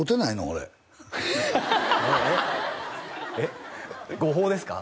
俺えっ誤報ですか？